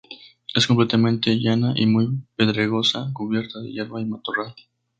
Es completamente llana y muy pedregosa, cubierta de hierba y matorral.